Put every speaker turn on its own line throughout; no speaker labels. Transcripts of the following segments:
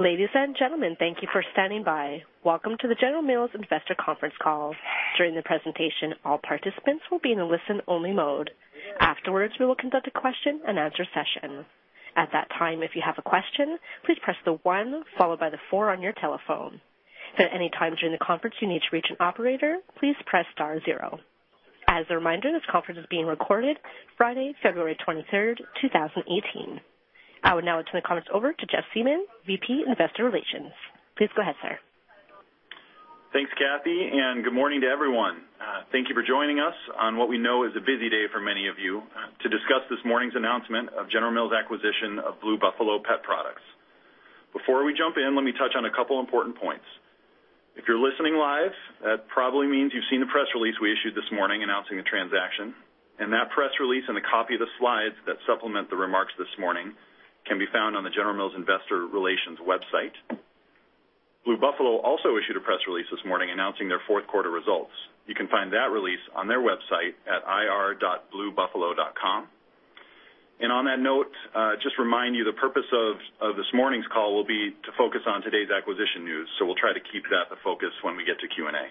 Ladies and gentlemen, thank you for standing by. Welcome to the General Mills Investor Conference Call. During the presentation, all participants will be in a listen-only mode. Afterwards, we will conduct a question-and-answer session. At that time, if you have a question, please press the one followed by the four on your telephone. If at any time during the conference you need to reach an operator, please press star zero. As a reminder, this conference is being recorded Friday, February 23, 2018. I would now turn the conference over to Jeff Siemon, Vice President, Investor Relations. Please go ahead, sir.
Thanks, Kathy. Good morning to everyone. Thank you for joining us on what we know is a busy day for many of you to discuss this morning's announcement of General Mills' acquisition of Blue Buffalo Pet Products. Before we jump in, let me touch on a couple important points. If you're listening live, that probably means you've seen the press release we issued this morning announcing the transaction, that press release and a copy of the slides that supplement the remarks this morning can be found on the General Mills Investor Relations website. Blue Buffalo also issued a press release this morning announcing their fourth quarter results. You can find that release on their website at ir.bluebuffalo.com. On that note, just remind you, the purpose of this morning's call will be to focus on today's acquisition news, we'll try to keep that the focus when we get to Q&A.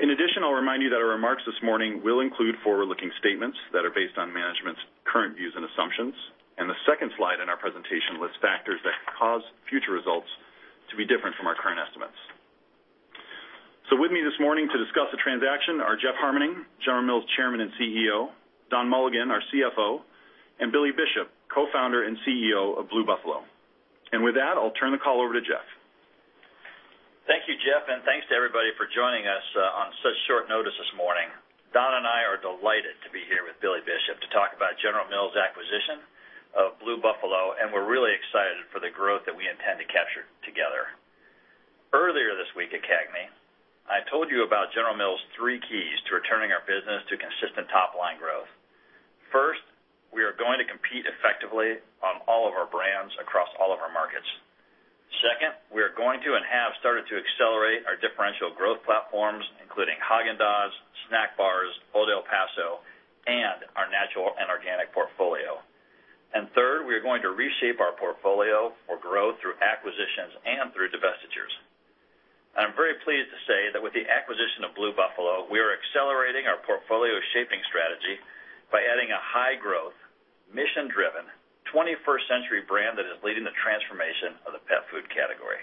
In addition, I'll remind you that our remarks this morning will include forward-looking statements that are based on management's current views and assumptions, the second slide in our presentation lists factors that can cause future results to be different from our current estimates. With me this morning to discuss the transaction are Jeff Harmening, General Mills Chairman and CEO, Don Mulligan, our CFO, and Billy Bishop, Co-Founder and CEO of Blue Buffalo. With that, I'll turn the call over to Jeff.
Thank you, Jeff. Thanks to everybody for joining us on such short notice this morning. Don and I are delighted to be here with Billy Bishop to talk about General Mills' acquisition of Blue Buffalo, we're really excited for the growth that we intend to capture together. Earlier this week at CAGNY, I told you about General Mills' three keys to returning our business to consistent top-line growth. First, we are going to compete effectively on all of our brands across all of our markets. Second, we are going to and have started to accelerate our differential growth platforms, including Häagen-Dazs, snack bars, Old El Paso, and our natural and organic portfolio. Third, we are going to reshape our portfolio for growth through acquisitions and through divestitures. I'm very pleased to say that with the acquisition of Blue Buffalo, we are accelerating our portfolio shaping strategy by adding a high-growth, mission-driven, 21st century brand that is leading the transformation of the pet food category.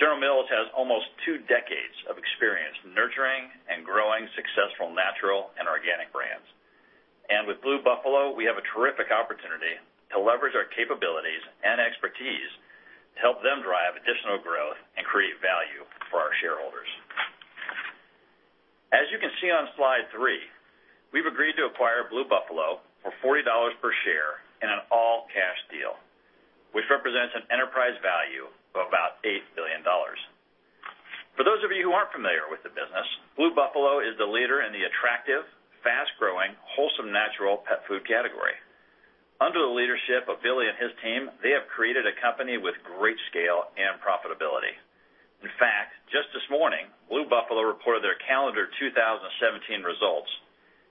General Mills has almost two decades of experience nurturing and growing successful natural and organic brands. With Blue Buffalo, we have a terrific opportunity to leverage our capabilities and expertise to help them drive additional growth and create value for our shareholders. As you can see on slide three, we've agreed to acquire Blue Buffalo for $40 per share in an all-cash deal, which represents an enterprise value of about $8 billion. For those of you who aren't familiar with the business, Blue Buffalo is the leader in the attractive, fast-growing, wholesome natural pet food category. Under the leadership of Billy and his team, they have created a company with great scale and profitability. In fact, just this morning, Blue Buffalo reported their calendar 2017 results,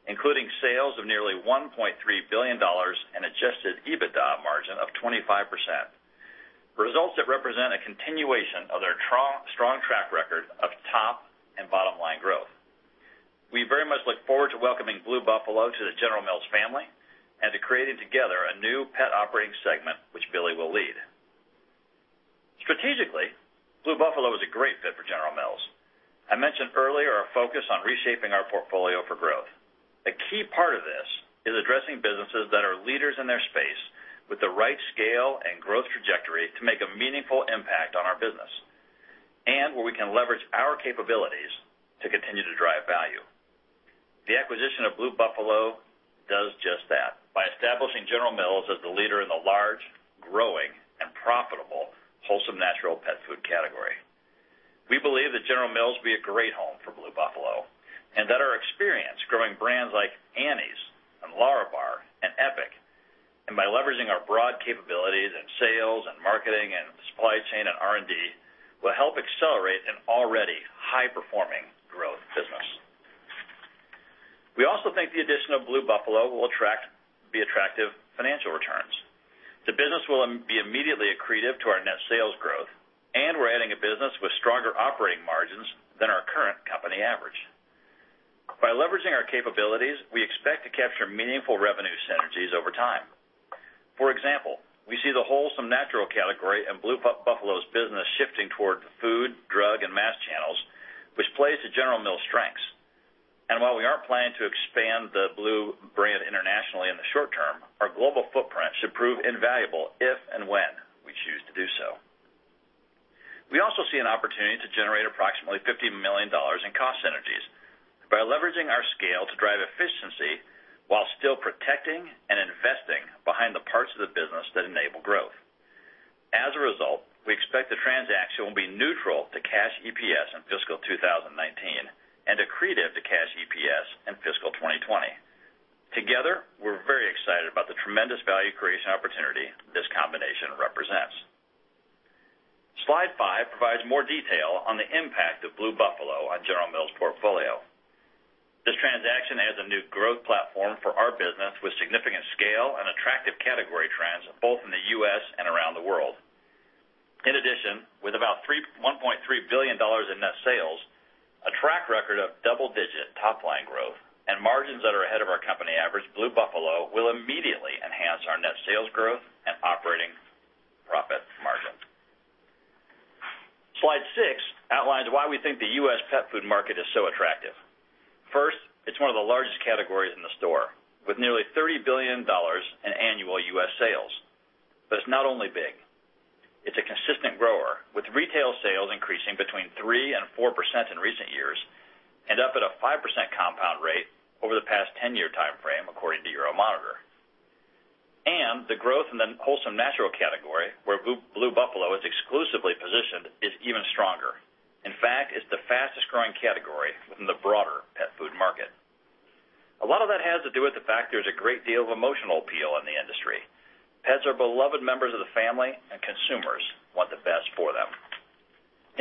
including sales of nearly $1.3 billion and adjusted EBITDA margin of 25%, results that represent a continuation of their strong track record of top and bottom-line growth. We very much look forward to welcoming Blue Buffalo to the General Mills family and to creating together a new pet operating segment, which Billy will lead. Strategically, Blue Buffalo is a great fit for General Mills. I mentioned earlier our focus on reshaping our portfolio for growth. A key part of this is addressing businesses that are leaders in their space with the right scale and growth trajectory to make a meaningful impact on our business and where we can leverage our capabilities to continue to drive value. The acquisition of Blue Buffalo does just that by establishing General Mills as the leader in the large, growing, and profitable wholesome natural pet food category. We believe that General Mills will be a great home for Blue Buffalo and that our experience growing brands like Annie's and LÄRABAR and EPIC, and by leveraging our broad capabilities in sales and marketing and supply chain and R&D, will help accelerate an already high-performing growth business. We also think the addition of Blue Buffalo will be attractive financial returns. The business will be immediately accretive to our net sales growth, and we're adding a business with stronger operating margins than our current company average. By leveraging our capabilities, we expect to capture meaningful revenue synergies over time. For example, we see the wholesome natural category and Blue Buffalo's business shifting toward food, drug, and mass channels, which plays to General Mills' strengths. While we aren't planning to expand the Blue Buffalo brand internationally in the short term, our global footprint should prove invaluable if and when we choose to do so. We also see an opportunity to generate approximately $50 million in cost synergies by leveraging our scale to drive efficiency while still protecting and investing behind the parts of the business that enable growth. As a result, we expect the transaction will be neutral to cash EPS in fiscal 2019 and accretive to cash EPS in fiscal 2020. Together, we're very excited about the tremendous value creation opportunity this combination represents. Slide five provides more detail on the impact of Blue Buffalo on General Mills' portfolio. This transaction adds a new growth platform for our business with significant scale and attractive category trends, both in the U.S. and around the world. In addition, with about $1.3 billion in net sales, a track record of double-digit top-line growth, and margins that are ahead of our company average, Blue Buffalo will immediately enhance our net sales growth and operating profit margin. Slide six outlines why we think the U.S. pet food market is so attractive. First, it's one of the largest categories in the store, with nearly $30 billion in annual U.S. sales. It's not only big, it's a consistent grower, with retail sales increasing between 3% and 4% in recent years and up at a 5% compound rate over the past 10-year timeframe, according to Euromonitor. The growth in the wholesome natural category, where Blue Buffalo is exclusively positioned, is even stronger. In fact, it's the fastest-growing category within the broader pet food market. A lot of that has to do with the fact there's a great deal of emotional appeal in the industry. Pets are beloved members of the family, and consumers want the best for them.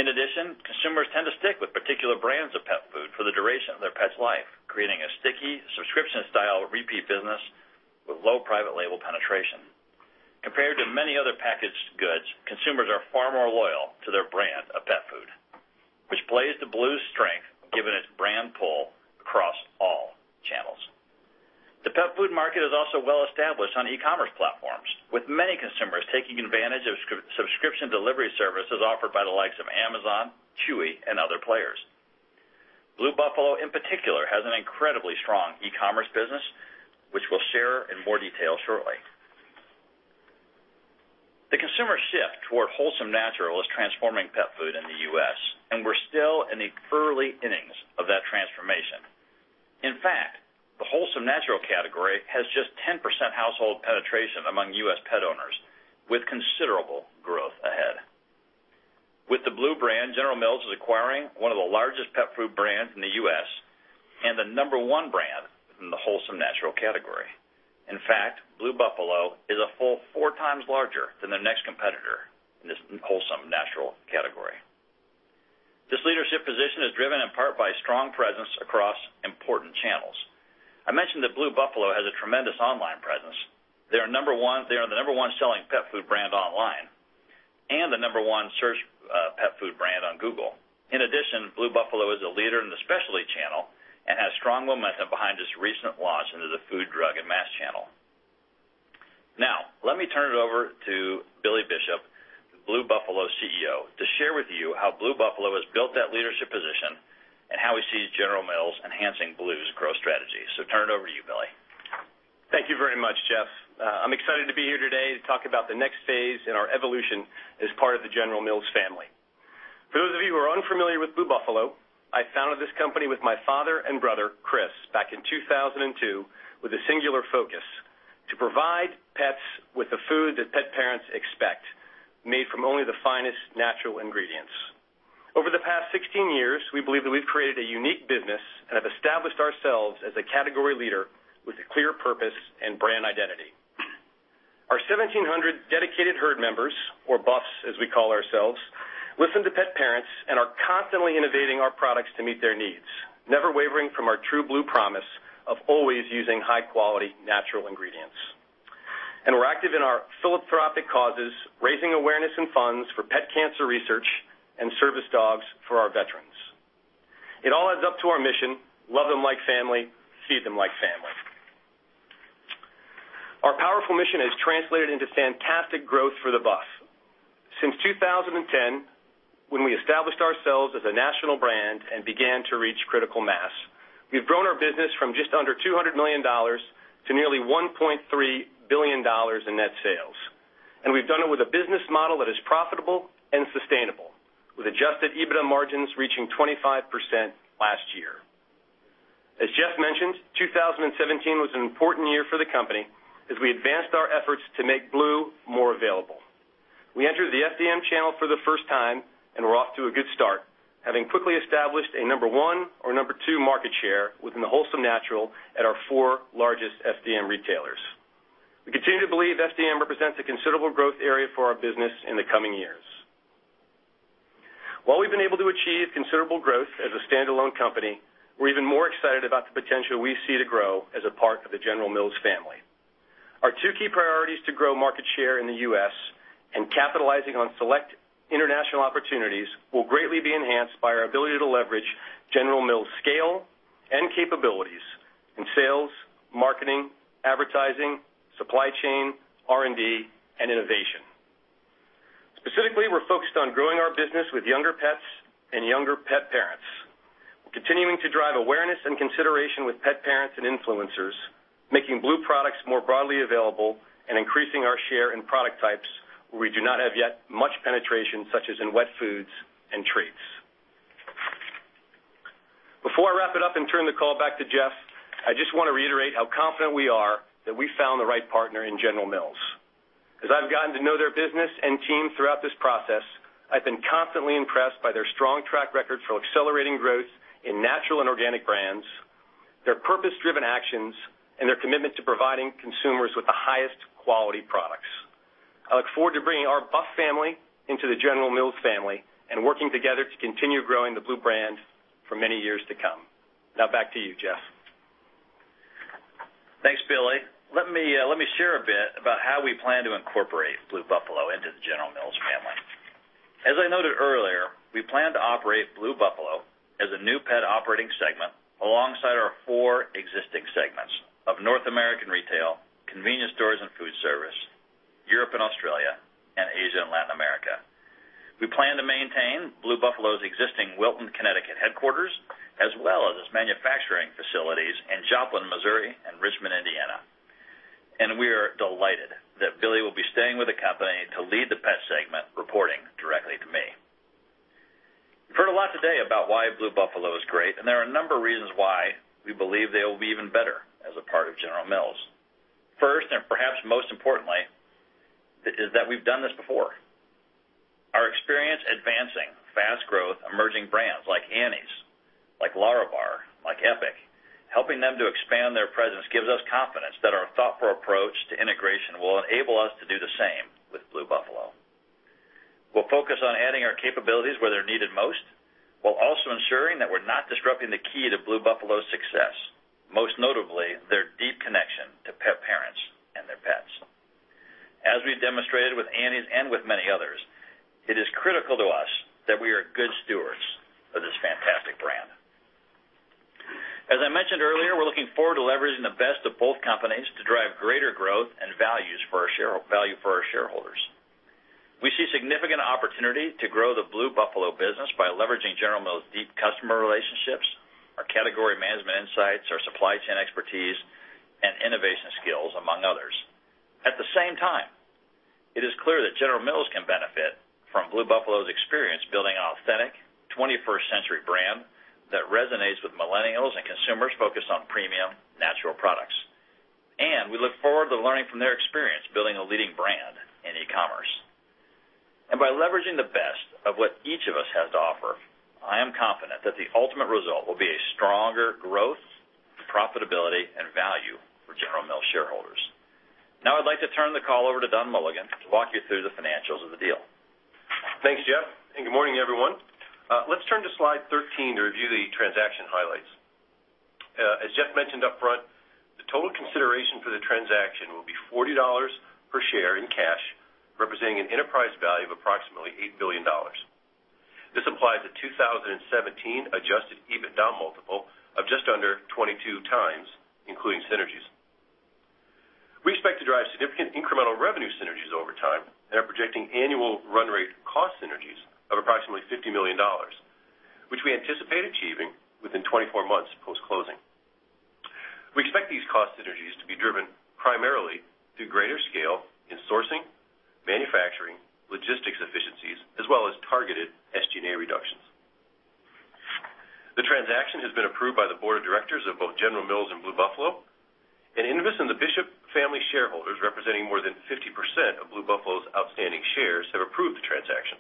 In addition, consumers tend to stick with particular brands of pet food for the duration of their pet's life, creating a sticky subscription-style repeat business with low private label penetration. Compared to many other packaged goods, consumers are far more loyal to their brand of pet food, which plays to Blue's strength given its brand pull across all channels. The pet food market is also well-established on e-commerce platforms, with many consumers taking advantage of subscription delivery services offered by the likes of Amazon, Chewy, and other players. Blue Buffalo, in particular has an incredibly strong e-commerce business, which we'll share in more detail shortly. The consumer shift toward wholesome natural is transforming pet food in the U.S. We're still in the early innings of that transformation. In fact, the wholesome natural category has just 10% household penetration among U.S. pet owners, with considerable growth ahead. With the Blue brand, General Mills is acquiring one of the largest pet food brands in the U.S. and the number one brand in the wholesome natural category. In fact, Blue Buffalo is a full four times larger than the next competitor in this wholesome natural category. This leadership position is driven in part by strong presence across important channels. I mentioned that Blue Buffalo has a tremendous online presence. They are the number one selling pet food brand online and the number one searched pet food brand on Google. In addition, Blue Buffalo is a leader in the specialty channel and has strong momentum behind its recent launch into the food, drug, and mass channel. Let me turn it over to Billy Bishop, the Blue Buffalo CEO, to share with you how Blue Buffalo has built that leadership position and how he sees General Mills enhancing Blue's growth strategy. Turn it over to you, Billy.
Thank you very much, Jeff. I'm excited to be here today to talk about the next phase in our evolution as part of the General Mills family. For those of you who are unfamiliar with Blue Buffalo, I founded this company with my father and brother, Chris, back in 2002 with a singular focus: to provide pets with the food that pet parents expect, made from only the finest natural ingredients. Over the past 16 years, we believe that we've created a unique business and have established ourselves as a category leader with a clear purpose and brand identity. Our 1,700 dedicated herd members, or Buffs, as we call ourselves, listen to pet parents and are constantly innovating our products to meet their needs, never wavering from our true Blue promise of always using high-quality natural ingredients. We're active in our philanthropic causes, raising awareness and funds for pet cancer research and service dogs for our veterans. It all adds up to our mission, "Love them like family, see them like family." Our powerful mission has translated into fantastic growth for the Buff. Since 2010, when we established ourselves as a national brand and began to reach critical mass, we've grown our business from just under $200 million to nearly $1.3 billion in net sales. We've done it with a business model that is profitable and sustainable, with adjusted EBITDA margins reaching 25% last year. As Jeff mentioned, 2017 was an important year for the company as we advanced our efforts to make Blue more available. We entered the FDM channel for the first time, and we're off to a good start, having quickly established a number 1 or number 2 market share within the wholesome natural at our four largest FDM retailers. We continue to believe FDM represents a considerable growth area for our business in the coming years. While we've been able to achieve considerable growth as a standalone company, we're even more excited about the potential we see to grow as a part of the General Mills family. Our two key priorities to grow market share in the U.S. and capitalizing on select international opportunities will greatly be enhanced by our ability to leverage General Mills' scale and capabilities in sales, marketing, advertising, supply chain, R&D, and innovation. Specifically, we're focused on growing our business with younger pets and younger pet parents. We're continuing to drive awareness and consideration with pet parents and influencers, making Blue products more broadly available, and increasing our share in product types where we do not have yet much penetration, such as in wet foods and treats. Before I wrap it up and turn the call back to Jeff, I just want to reiterate how confident we are that we found the right partner in General Mills. As I've gotten to know their business and team throughout this process, I've been constantly impressed by their strong track record for accelerating growth in natural and organic brands, their purpose-driven actions, and their commitment to providing consumers with the highest quality products. I look forward to bringing our Buff family into the General Mills family and working together to continue growing the Blue brand for many years to come. Back to you, Jeff.
Thanks, Billy. Let me share a bit about how we plan to incorporate Blue Buffalo into the General Mills family. As I noted earlier, we plan to operate Blue Buffalo as a new pet operating segment alongside our four existing segments of North American retail, convenience stores and food service, Europe and Australia, and Asia and Latin America. We plan to maintain Blue Buffalo's existing Wilton, Connecticut headquarters, as well as its manufacturing facilities in Joplin, Missouri and Richmond, Indiana. We are delighted that Billy will be staying with the company to lead the pet segment, reporting directly to me. You've heard a lot today about why Blue Buffalo is great, and there are a number of reasons why we believe they'll be even better as a part of General Mills. First, and perhaps most importantly, is that we've done this before. Our experience advancing fast growth, emerging brands like Annie's, like LÄRABAR, like EPIC, helping them to expand their presence gives us confidence that our thoughtful approach to integration will enable us to do the same with Blue Buffalo. We'll focus on adding our capabilities where they're needed most, while also ensuring that we're not disrupting the key to Blue Buffalo's success, most notably, their deep connection to pet parents and their pets. As we've demonstrated with Annie's and with many others, it is critical to us that we are good stewards of this fantastic brand. As I mentioned earlier, we're looking forward to leveraging the best of both companies to drive greater growth and value for our shareholders. We see significant opportunity to grow the Blue Buffalo business by leveraging General Mills' deep customer relationships, our category management insights, our supply chain expertise, and innovation skills, among others. At the same time, it is clear that General Mills can benefit from Blue Buffalo's experience building an authentic, 21st-century brand that resonates with millennials and consumers focused on premium natural products. We look forward to learning from their experience building a leading brand in e-commerce. By leveraging the best of what each of us has to offer, I am confident that the ultimate result will be a stronger growth, profitability, and value for General Mills shareholders. Now I'd like to turn the call over to Don Mulligan to walk you through the financials of the deal.
Thanks, Jeff, and good morning, everyone. Let's turn to slide 13 to review the transaction highlights. As Jeff mentioned upfront, the total consideration for the transaction will be $40 per share in cash, representing an enterprise value of approximately $8 billion. This implies a 2017 adjusted EBITDA multiple of just under 22 times, including synergies. We expect to drive significant incremental revenue synergies over time and are projecting annual run rate cost synergies of approximately $50 million, which we anticipate achieving within 24 months post-closing. We expect these cost synergies to be driven primarily through greater scale in sourcing, manufacturing, logistics efficiencies, as well as targeted SG&A reductions. The transaction has been approved by the board of directors of both General Mills and Blue Buffalo. Invus and the Bishop family shareholders, representing more than 50% of Blue Buffalo's outstanding shares, have approved the transaction.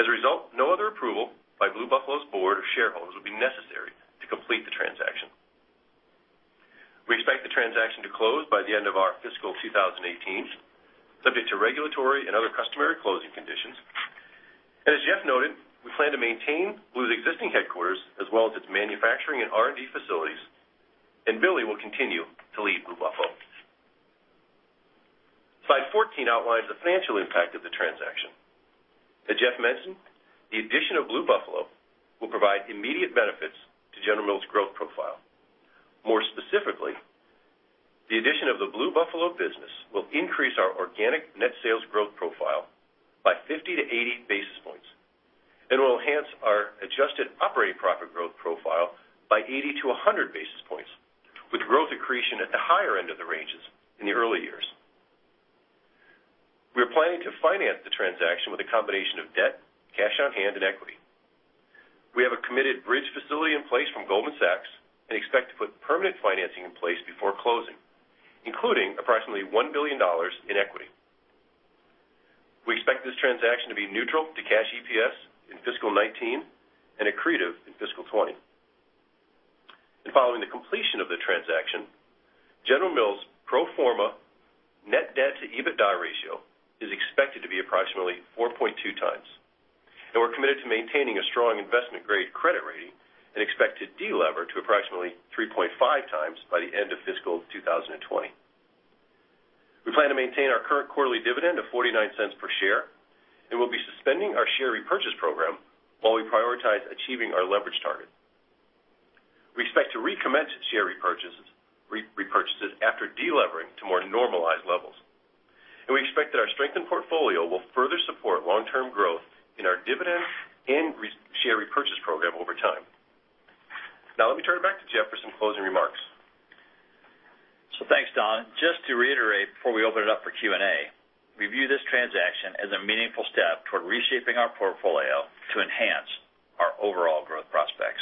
As a result, no other approval by Blue Buffalo's Board of Shareholders will be necessary to complete the transaction. We expect the transaction to close by the end of our fiscal 2018, subject to regulatory and other customary closing conditions. As Jeff noted, we plan to maintain Blue's existing headquarters as well as its manufacturing and R&D facilities, and Billy will continue to lead Blue Buffalo. Slide 14 outlines the financial impact of the transaction. As Jeff mentioned, the addition of Blue Buffalo will provide immediate benefits to General Mills' growth profile. More specifically, the addition of the Blue Buffalo business will increase our organic net sales growth profile by 50 to 80 basis points. It will enhance our adjusted operating profit growth profile by 80 to 100 basis points, with growth accretion at the higher end of the ranges in the early years. We are planning to finance the transaction with a combination of debt, cash on hand, and equity. We have a committed bridge facility in place from Goldman Sachs and expect to put permanent financing in place before closing, including approximately $1 billion in equity. We expect this transaction to be neutral to cash EPS in fiscal 2019 and accretive in fiscal 2020. Following the completion of the transaction, General Mills' pro forma net debt to EBITDA ratio is expected to be approximately 4.2 times. We're committed to maintaining a strong investment-grade credit rating and expect to de-lever to approximately 3.5 times by the end of fiscal 2020. We plan to maintain our current quarterly dividend of $0.49 per share, we'll be suspending our share repurchase program while we prioritize achieving our leverage target. We expect to recommence share repurchases after de-levering to more normalized levels. We expect that our strengthened portfolio will further support long-term growth in our dividend and share repurchase program over time. Now, let me turn it back to Jeff for some closing remarks.
Thanks, Don. Just to reiterate before we open it up for Q&A, we view this transaction as a meaningful step toward reshaping our portfolio to enhance our overall growth prospects.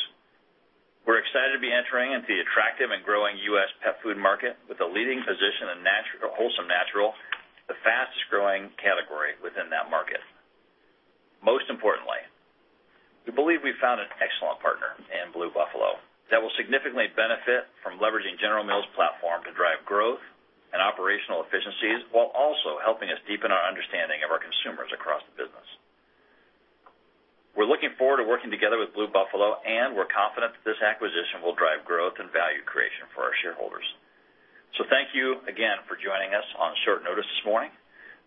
We're excited to be entering into the attractive and growing U.S. pet food market with a leading position in wholesome natural, the fastest-growing category within that market I believe we found an excellent partner in Blue Buffalo that will significantly benefit from leveraging General Mills platform to drive growth and operational efficiencies while also helping us deepen our understanding of our consumers across the business. We're looking forward to working together with Blue Buffalo, we're confident that this acquisition will drive growth and value creation for our shareholders. Thank you again for joining us on short notice this morning.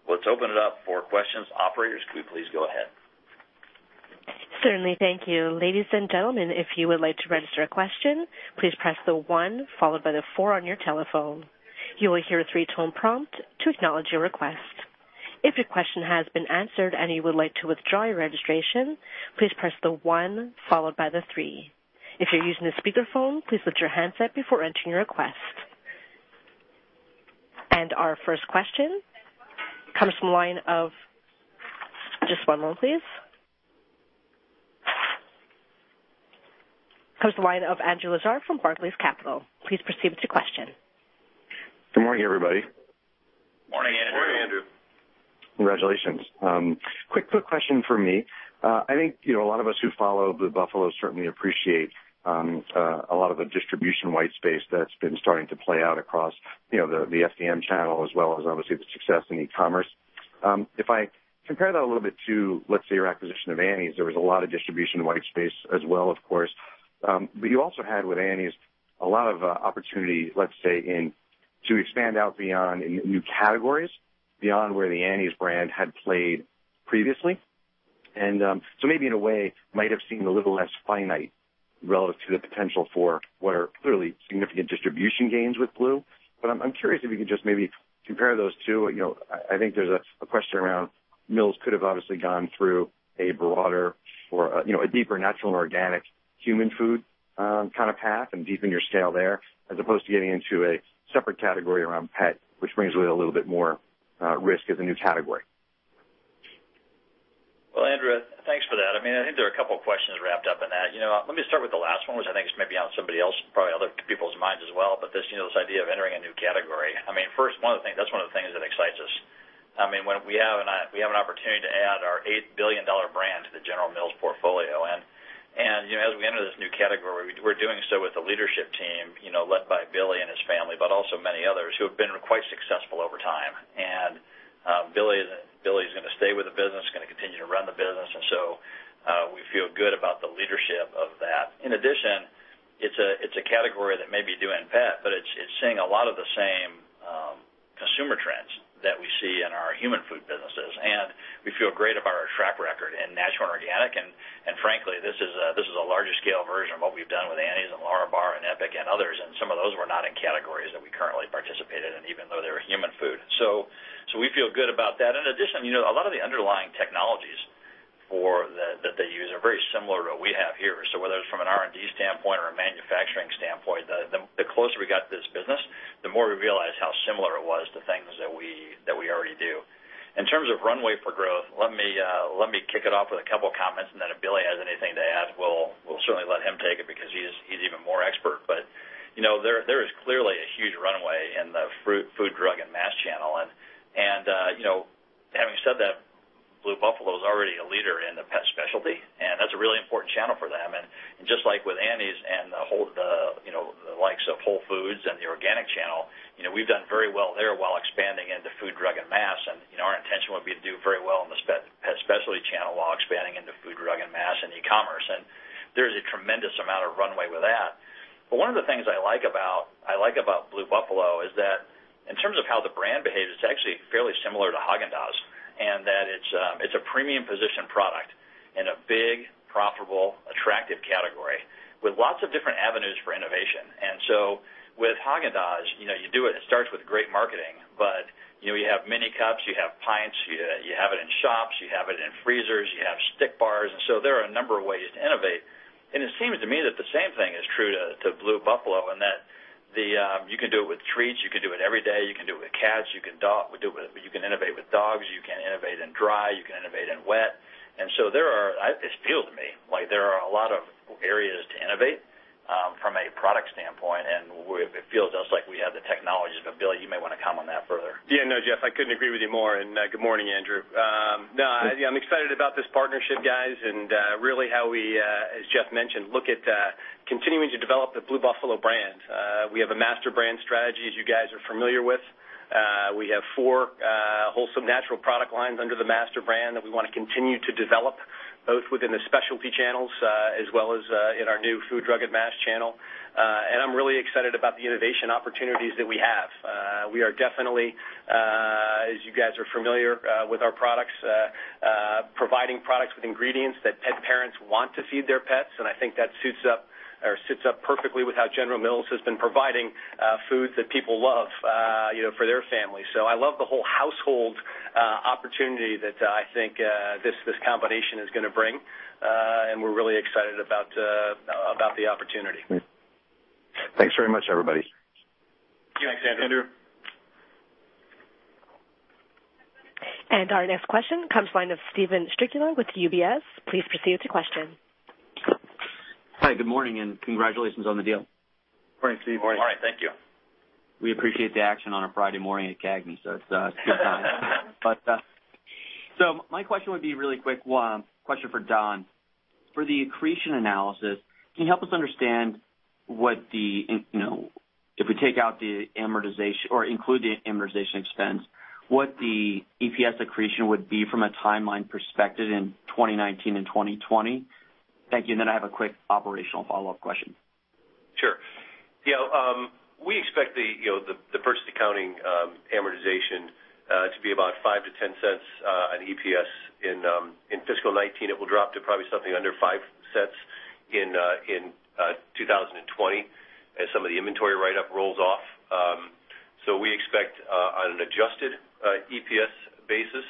Let's open it up for questions. Operators, could you please go ahead?
Certainly. Thank you. Ladies and gentlemen, if you would like to register a question, please press the one followed by the four on your telephone. You will hear a three-tone prompt to acknowledge your request. If your question has been answered and you would like to withdraw your registration, please press the one followed by the three. If you're using a speakerphone, please lift your handset before entering your request. Our first question. Just one moment, please. Comes the line of Andrew Lazar from Barclays Capital. Please proceed with your question.
Good morning, everybody.
Morning, Andrew.
Morning, Andrew.
Congratulations. Quick question from me. I think a lot of us who follow Blue Buffalo certainly appreciate a lot of the distribution white space that's been starting to play out across the FDM channel as well as obviously the success in e-commerce. If I compare that a little bit to, let's say, your acquisition of Annie's, there was a lot of distribution white space as well, of course. You also had with Annie's a lot of opportunity, let's say, to expand out beyond in new categories, beyond where the Annie's brand had played previously. Maybe in a way, might have seemed a little less finite relative to the potential for what are clearly significant distribution gains with Blue. I'm curious if you can just maybe compare those two. I think there's a question around Mills could have obviously gone through a broader or a deeper natural and organic human food path and deepen your scale there as opposed to getting into a separate category around pet, which brings with it a little bit more risk as a new category.
Well, Andrew, thanks for that. I think there are a couple of questions wrapped up in that. Let me start with the last one, which I think is maybe on somebody else, probably other people's minds as well. This idea of entering a new category. First, that's one of the things that excites us. We have an opportunity to add our $8 billion brand to the General Mills portfolio, and as we enter this new category, we're doing so with a leadership team led by Billy and his family, but also many others who have been quite successful over time. Billy is going to stay with the business, going to continue to run the business, and so we feel good about the leadership of that. In addition, it's a category that may be due in pet, but it's seeing a lot of the same consumer trends that we see in our human food businesses, and we feel great about our track record in natural and organic. Frankly, this is a larger scale version of what we've done with Annie's and LÄRABAR and EPIC and others, and some of those were not in categories that we currently participated in, even though they were human food. We feel good about that. In addition, a lot of the underlying technologies that they use are very similar to what we have here. Whether it's from an R&D standpoint or a manufacturing standpoint, the closer we got to this business, the more we realized how similar it was to things that we already do. In terms of runway for growth, let me kick it off with a couple of comments, then if Billy has anything to add, we'll certainly let him take it because he's even more expert. There is clearly a huge runway in the food, drug, and mass channel. Having said that, Blue Buffalo is already a leader in the pet specialty, and that's a really important channel for them. Just like with Annie's and the likes of Whole Foods and the organic channel, we've done very well there while expanding into food, drug, and mass, and our intention would be to do very well in the pet specialty channel while expanding into food, drug, and mass and e-commerce. There is a tremendous amount of runway with that. One of the things I like about Blue Buffalo is that in terms of how the brand behaves, it's actually fairly similar to Häagen-Dazs in that it's a premium position product in a big, profitable, attractive category with lots of different avenues for innovation. With Häagen-Dazs, you do it and it starts with great marketing, you have mini cups, you have pints, you have it in shops, you have it in freezers, you have stick bars, so there are a number of ways to innovate. It seems to me that the same thing is true to Blue Buffalo in that you can do it with treats, you can do it every day, you can do it with cats, you can innovate with dogs, you can innovate in dry, you can innovate in wet. It feels to me like there are a lot of areas to innovate from a product standpoint, and it feels to us like we have the technologies, Billy, you may want to comment on that further.
Yeah. No, Jeff, I couldn't agree with you more. Good morning, Andrew. I'm excited about this partnership, guys, and really how we, as Jeff mentioned, look at continuing to develop the Blue Buffalo brand. We have a master brand strategy, as you guys are familiar with. We have four wholesome natural product lines under the master brand that we want to continue to develop, both within the specialty channels as well as in our new food, drug, and mass channel. I'm really excited about the innovation opportunities that we have. We are definitely, as you guys are familiar with our products, providing products with ingredients that pet parents want to feed their pets, and I think that suits up or sits up perfectly with how General Mills has been providing foods that people love for their family. I love the whole household opportunity that I think this combination is going to bring and we're really excited about the opportunity.
Thanks very much, everybody.
Thanks, Andrew.
Our next question comes line of Steven Strycula with UBS. Please proceed with your question.
Hi, good morning. Congratulations on the deal.
Good morning, Steve.
Good morning. Thank you.
We appreciate the action on a Friday morning at CAGNY. It's a good time. My question would be really quick. One question for Don. For the accretion analysis, can you help us understand, if we include the amortization expense, what the EPS accretion would be from a timeline perspective in 2019 and 2020? Thank you. I have a quick operational follow-up question.
Sure. We expect the purchase accounting amortization to be about $0.05-$0.10 on EPS in fiscal 2019. It will drop to probably something under $0.05 in 2020 as some of the inventory write-up rolls off. We expect, on an adjusted EPS basis,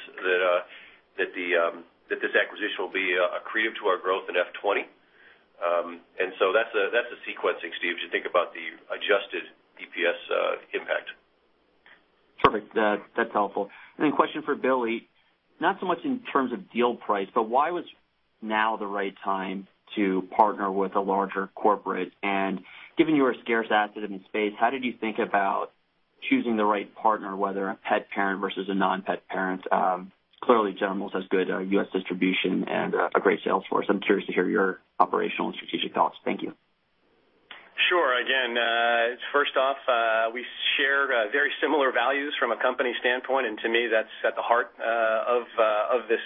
that this acquisition will be accretive to our growth in FY 2020. That's the sequencing, Steve, as you think about the adjusted EPS impact.
Perfect. That's helpful. Question for Billy, not so much in terms of deal price, but why was now the right time to partner with a larger corporate? Given you are a scarce asset in the space, how did you think about choosing the right partner, whether a pet parent versus a non-pet parent? Clearly, General Mills has good U.S. distribution and a great sales force. I'm curious to hear your operational and strategic thoughts. Thank you.
Sure. Again, first off, we share very similar values from a company standpoint, to me, that's at the heart of this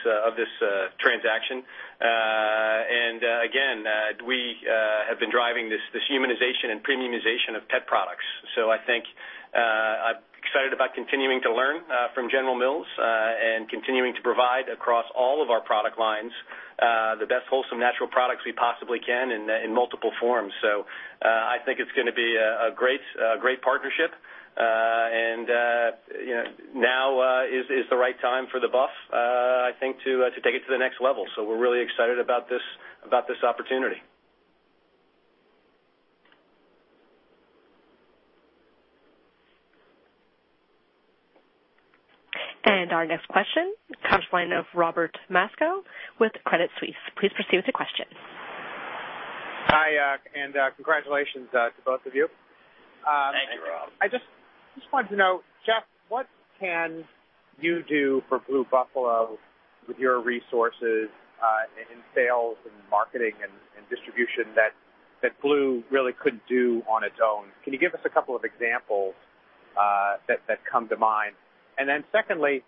transaction. Again, we have been driving this humanization and premiumization of pet products. I think, I'm excited about continuing to learn from General Mills, continuing to provide across all of our product lines, the best wholesome natural products we possibly can in multiple forms. I think it's going to be a great partnership. Now is the right time for the Buff, I think, to take it to the next level. We're really excited about this opportunity.
Our next question comes from the line of Robert Moskow with Credit Suisse. Please proceed with your question.
Hi, congratulations to both of you.
Thank you, Rob.
Thank you.
I just wanted to know, Jeff, what can you do for Blue Buffalo with your resources, in sales and marketing and distribution that Blue really couldn't do on its own? Can you give us a couple of examples that come to mind? Then secondly,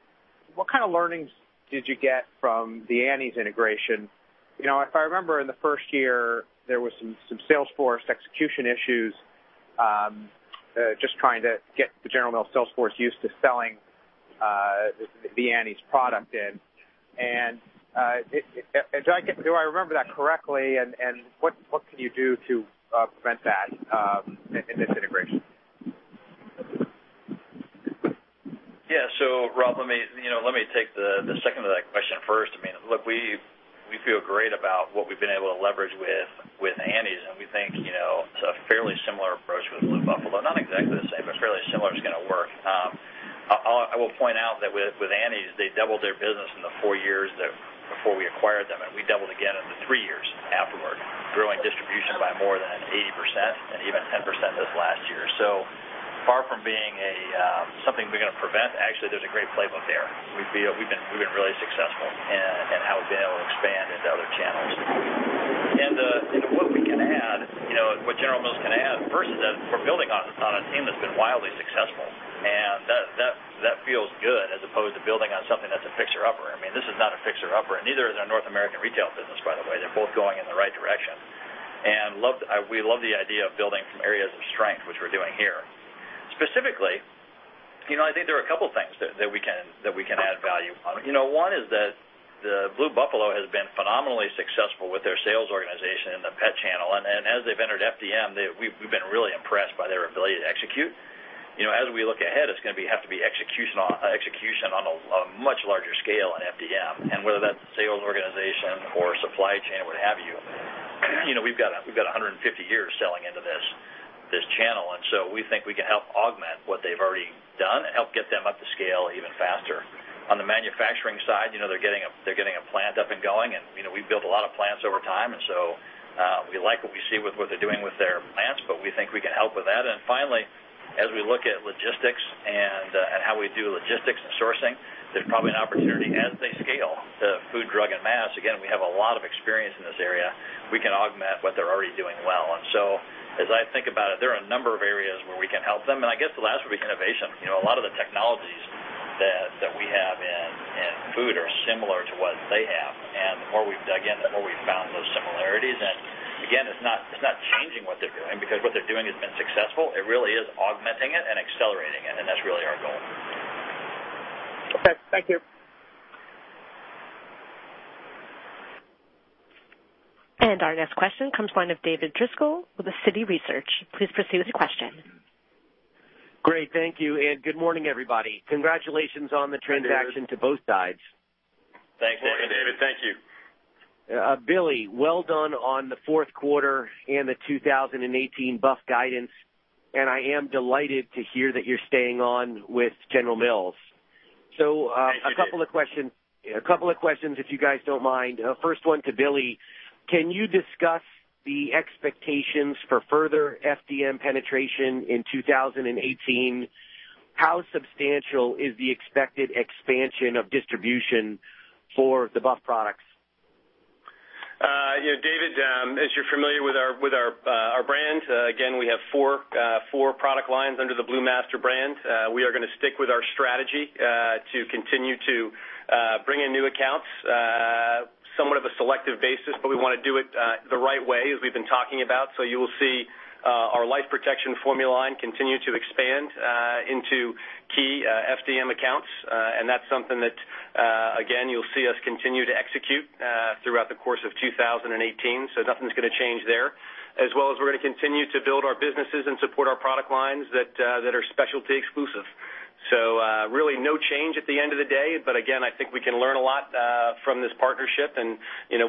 what kind of learnings did you get from the Annie's integration? If I remember in the first year, there were some Salesforce execution issues, just trying to get the General Mills Salesforce used to selling the Annie's product in. Do I remember that correctly? What can you do to prevent that in this integration?
Rob, let me take the second of that question first. Look, we feel great about what we've been able to leverage with Annie's, and we think it's a fairly similar approach with Blue Buffalo, not exactly the same, but fairly similar is going to work. I will point out that with Annie's, they doubled their business in the four years before we acquired them, and we doubled again in the three years afterward, growing distribution by more than 80% and even 10% this last year. Far from being something we're going to prevent, actually, there's a great playbook there. We've been really successful in how we've been able to expand into other channels. What General Mills can add, first, is that we're building on a team that's been wildly successful, and that feels good as opposed to building on something that's a fixer-upper. This is not a fixer-upper, neither is our North American retail business, by the way. They're both going in the right direction. We love the idea of building from areas of strength, which we're doing here. Specifically, I think there are a couple things that we can add value on. One is that Blue Buffalo has been phenomenally successful with their sales organization in the pet channel. As they've entered FDM, we've been really impressed by their ability to execute. As we look ahead, it's going to have to be execution on a much larger scale in FDM, and whether that's a sales organization or supply chain, what have you. We've got 150 years selling into this channel, we think we can help augment what they've already done and help get them up to scale even faster. On the manufacturing side, they're getting a plant up and going, we've built a lot of plants over time, we like what we see with what they're doing with their plants, we think we can help with that. Finally, as we look at logistics and how we do logistics and sourcing, there's probably an opportunity as they scale to food, drug, and mass. Again, we have a lot of experience in this area. We can augment what they're already doing well. As I think about it, there are a number of areas where we can help them, and I guess the last would be innovation. A lot of the technologies that we have in food are similar to what they have. The more we've dug in, the more we've found those similarities. Again, it's not changing what they're doing because what they're doing has been successful. It really is augmenting it and accelerating it, that's really our goal.
Okay. Thank you.
Our next question comes from the line of David Driscoll with Citi Research. Please proceed with your question.
Great. Thank you. Good morning, everybody. Congratulations on the transaction to both sides.
Thanks, David. Thank you.
Good morning, David. Thank you.
Billy, well done on the fourth quarter and the 2018 Buff guidance. I am delighted to hear that you're staying on with General Mills. A couple of questions if you guys don't mind. First one to Billy. Can you discuss the expectations for further FDM penetration in 2018? How substantial is the expected expansion of distribution for the Buff products?
David, as you're familiar with our brand, again, we have four product lines under the Blue Buffalo brand. We are going to stick with our strategy to continue to bring in new accounts, somewhat of a selective basis, but we want to do it the right way, as we've been talking about. You will see our Life Protection Formula line continue to expand into key FDM accounts. That's something that, again, you'll see us continue to execute throughout the course of 2018. Nothing's going to change there. As well as we're going to continue to build our businesses and support our product lines that are specialty exclusive. Really no change at the end of the day. Again, I think we can learn a lot from this partnership, and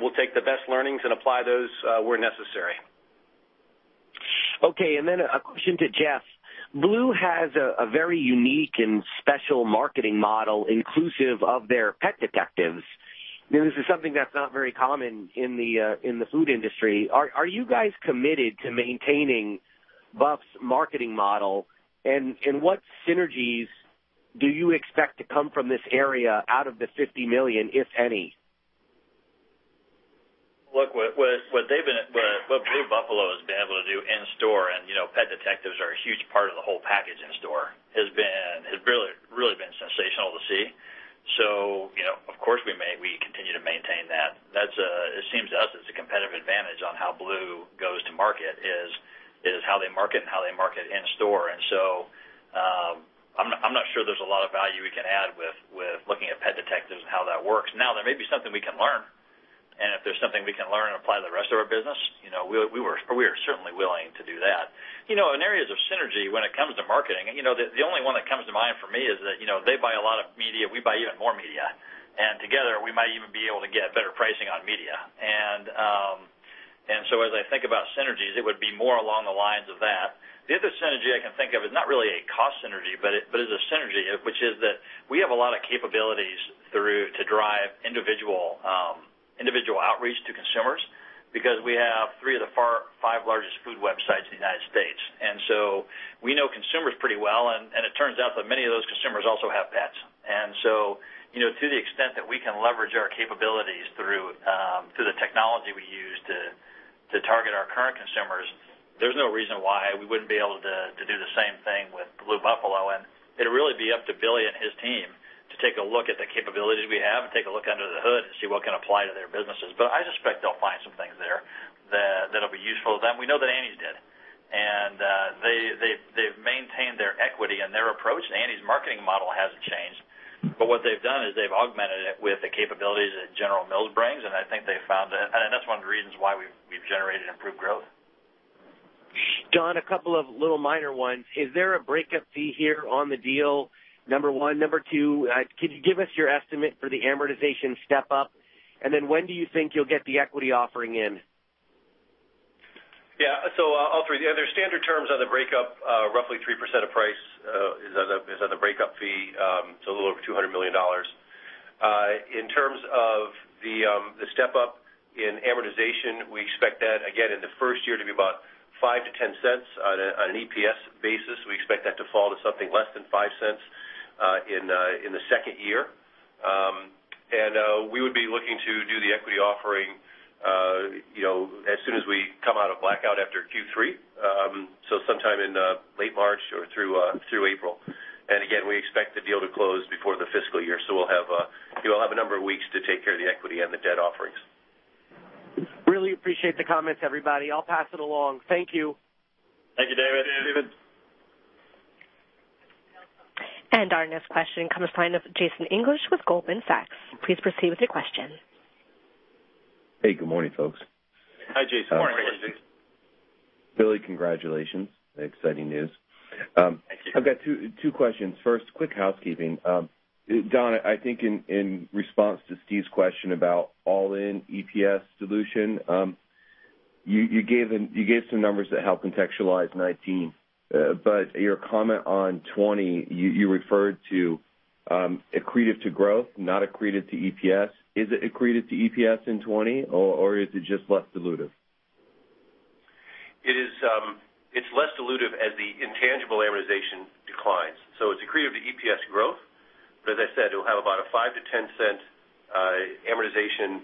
we'll take the best learnings and apply those where necessary.
Okay, a question to Jeff. Blue Buffalo has a very unique and special marketing model inclusive of their Pet Detectives. This is something that's not very common in the food industry. Are you guys committed to maintaining Blue Buffalo's marketing model? What synergies do you expect to come from this area out of the $50 million, if any?
Look, what Blue Buffalo has been able to do in store, and Pet Detectives are a huge part of the whole package in store, has really been sensational to see. Of course, we continue to maintain that. It seems to us it's a competitive advantage on how Blue Buffalo goes to market, is how they market and how they market in store. I'm not sure there's a lot of value we can add with looking at Pet Detectives and how that works. Now, there may be something we can learn, and if there's something we can learn and apply to the rest of our business, we are certainly willing to do that. In areas of synergy when it comes to marketing, the only one that comes to mind for me is that they buy a lot of media. We buy even more media, together we might even be able to get better pricing on media. As I think about synergies, it would be more along the lines of that. The other synergy I can think of is not really a cost synergy, but is a synergy, which is that we have a lot of capabilities through to drive individual outreach to consumers because we have three of the five largest food websites in the U.S. We know consumers pretty well, and it turns out that many of those consumers also have pets. To the extent that we can leverage our capabilities through the technology we use to target our current consumers, there's no reason why we wouldn't be able to do the same thing with Blue Buffalo. It'd really be up to Billy Bishop and his team to take a look at the capabilities we have and take a look under the hood and see what can apply to their businesses. I suspect they'll find some things there that'll be useful to them. We know that Annie's did, they've maintained their equity and their approach. Annie's marketing model hasn't changed. What they've done is they've augmented it with the capabilities that General Mills brings, and I think they found that. That's one of the reasons why we've generated improved growth.
Don, a couple of little minor ones. Is there a breakup fee here on the deal? Number one. Number two, could you give us your estimate for the amortization step-up? When do you think you'll get the equity offering in?
Yeah. I'll three. There's standard terms on the breakup, roughly 3% of price is on the breakup fee, it's a little over $200 million. In terms of the step-up in amortization, we expect that, again, in the first year to be about $0.05-$0.10 on an EPS basis. We expect that to fall to something less than $0.05 in the second year. We would be looking to do the equity offering as soon as we come out of blackout after Q3. Sometime in late March or through April. Again, we expect the deal to close before the fiscal year. We'll have a number of weeks to take care of the equity and the debt offerings.
Really appreciate the comments, everybody. I'll pass it along. Thank you.
Thank you, David.
Thank you, David.
Our next question comes from the line of Jason English with Goldman Sachs. Please proceed with your question.
Hey, good morning, folks.
Hi, Jason.
Good morning, Jason.
Billy, congratulations. Exciting news.
Thanks, Jason.
I've got two questions. First, quick housekeeping. Don, I think in response to Steve's question about all-in EPS dilution, you gave some numbers that help contextualize 2019. Your comment on 2020, you referred to accretive to growth, not accretive to EPS. Is it accretive to EPS in 2020, or is it just less dilutive?
It's less dilutive as the intangible amortization declines. It's accretive to EPS growth. As I said, it'll have about a $0.05-$0.10 amortization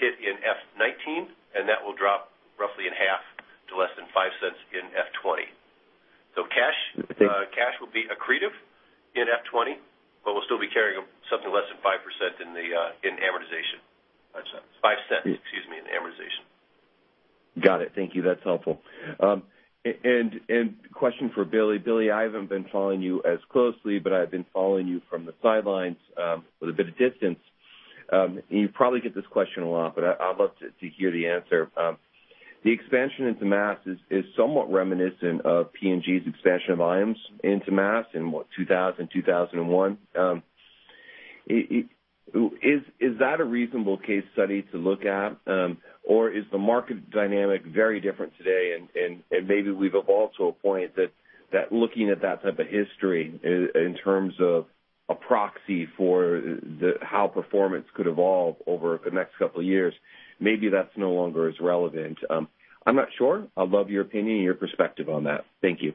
hit in FY 2019, and that will drop roughly in half to less than $0.05 in FY 2020. Cash will be accretive in FY 2020, but we'll still be carrying something less than 5% in amortization.
$0.05.
$0.05, excuse me, in amortization.
Got it. Thank you. That's helpful. Question for Billy. Billy, I haven't been following you as closely, but I've been following you from the sidelines with a bit of distance. You probably get this question a lot, but I'd love to hear the answer. The expansion into mass is somewhat reminiscent of P&G's expansion of Iams into mass in what, 2000, 2001? Is that a reasonable case study to look at? Is the market dynamic very different today and maybe we've evolved to a point that looking at that type of history in terms of a proxy for how performance could evolve over the next couple of years, maybe that's no longer as relevant. I'm not sure. I'd love your opinion and your perspective on that. Thank you.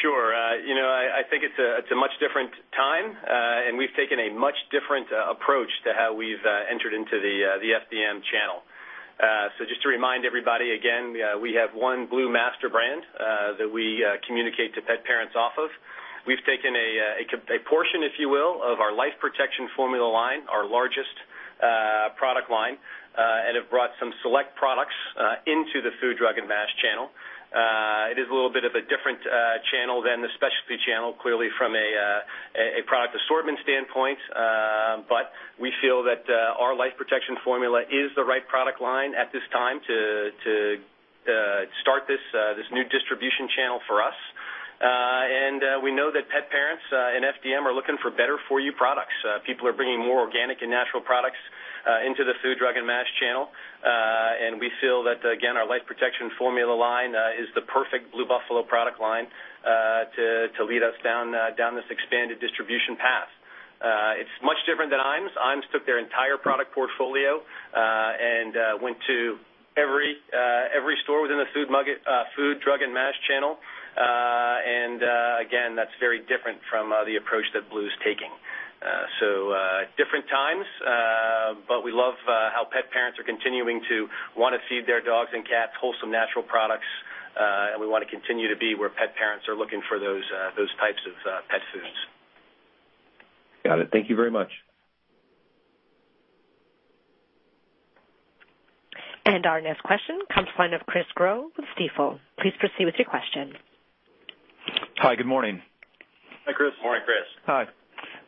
Sure. I think it's a much different time. We've taken a much different approach to how we've entered into the FDM channel. Just to remind everybody again, we have one Blue master brand that we communicate to pet parents off of. We've taken a portion, if you will, of our Life Protection Formula line, our largest product line, and have brought some select products into the food, drug, and mass channel. It is a little bit of a different channel than the specialty channel, clearly from a product assortment standpoint. We feel that our Life Protection Formula is the right product line at this time to start this new distribution channel for us. We know that pet parents in FDM are looking for better-for-you products. People are bringing more organic and natural products into the food, drug, and mass channel. We feel that, again, our Life Protection Formula line is the perfect Blue Buffalo product line to lead us down this expanded distribution path. It's much different than Iams. Iams took their entire product portfolio and went to every store within the food, drug, and mass channel. Again, that's very different from the approach that Blue's taking. Different times, but we love how pet parents are continuing to want to feed their dogs and cats wholesome natural products. We want to continue to be where pet parents are looking for those types of pet foods.
Got it. Thank you very much.
Our next question comes from the line of Chris Growe with Stifel. Please proceed with your question.
Hi, good morning.
Hi, Chris.
Morning, Chris.
Hi.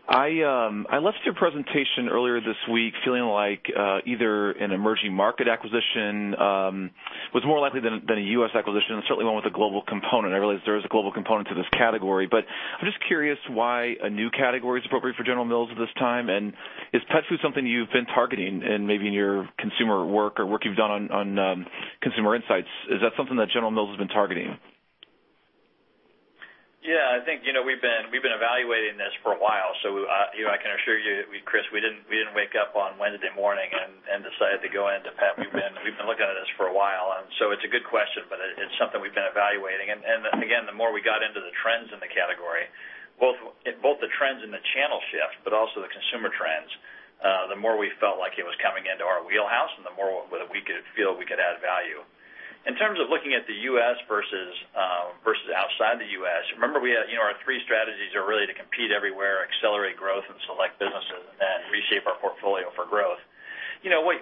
I left your presentation earlier this week feeling like either an emerging market acquisition was more likely than a U.S. acquisition, and certainly one with a global component. I realize there is a global component to this category. I'm just curious why a new category is appropriate for General Mills at this time, and is pet food something you've been targeting in maybe your consumer work or work you've done on consumer insights? Is that something that General Mills has been targeting?
Yeah, I think we've been evaluating this for a while, so I can assure you, Chris, we didn't wake up on Wednesday morning and decide to go into pet. We've been looking at this for a while, it's a good question, but it's something we've been evaluating. Again, the more we got into the trends in the category, both the trends in the channel shift, but also the consumer trends, the more we felt like it was coming into our wheelhouse and the more we could feel we could add value. In terms of looking at the U.S. versus outside the U.S., remember our three strategies are really to compete everywhere, accelerate growth in select businesses, and then reshape our portfolio for growth.